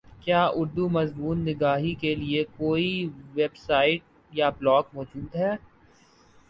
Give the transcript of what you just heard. کیا اردو مضمون نگاری کیلئے کوئ ویبسائٹ یا بلاگ موجود ہے